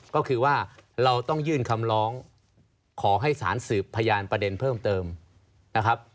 ก็คือว่าเราต้องยื่นคำร้องขอให้สารสืบพยานประเด็นเพิ่มเติมนะครับ